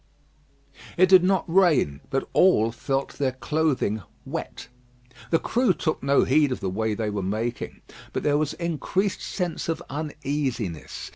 It did not rain, but all felt their clothing wet. The crew took no heed of the way they were making; but there was increased sense of uneasiness.